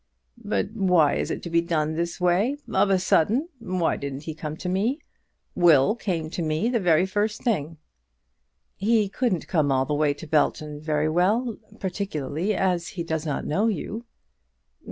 "But why is it to be done this way, of a sudden? Why didn't he come to me? Will came to me the very first thing." "He couldn't come all the way to Belton very well; particularly as he does not know you."